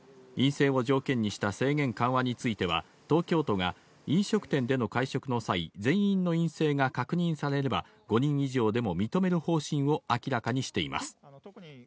陰性を条件にした制限緩和については、東京都が飲食店での会食の際、全員の陰性が確認されれば、５人以上でも認める方針を明らかにしています。